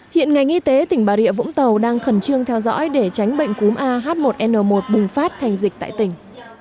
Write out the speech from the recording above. hiện ngành y tế tỉnh bà rịa vũng tàu đang khẩn trương theo dõi để tránh bệnh cúm ah một n một bùng phát thành dịch tại tỉnh